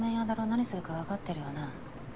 何するか分かってるよな。